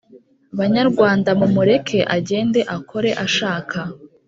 Banyarwanda mumureke agende akore ashaka